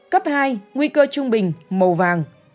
cấp hai nguy cơ trung bình màu vàng